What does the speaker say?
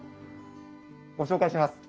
ご紹介します。